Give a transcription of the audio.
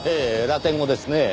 ラテン語ですねぇ。